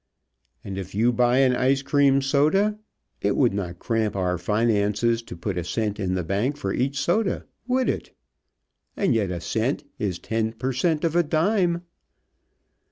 And if you buy an ice cream soda; it would not cramp our finances to put a cent in the bank for each soda, would it? And yet a cent is ten per cent. of a dime."